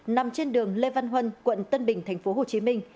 nằm trên đường lê văn huân quận tân bình tp hcm